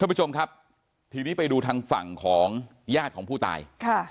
ผู้ชมครับทีนี้ไปดูทางฝั่งของญาติของผู้ตายค่ะ